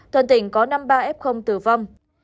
toàn tỉnh có năm mươi ba f tử vong